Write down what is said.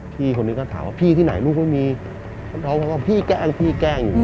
พี่คนนี้ก็ถามว่าพี่ที่ไหนลูกไม่มีน้องบอกว่าพี่แกล้งพี่แกล้งอยู่